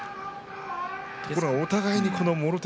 ところがお互いにもろ手